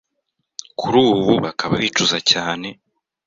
kuri ubu bakaba bicuza cyane.